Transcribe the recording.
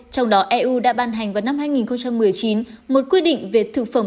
trong đó eu đã ban hành vào năm hai nghìn một mươi chín một quy định về thực phẩm